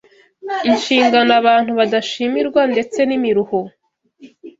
Inshingano abantu badashimirwa ndetse n’imiruho